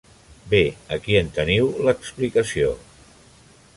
Bé, aquí en teniu l'explicació.